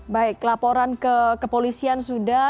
baik laporan ke kepolisian sudah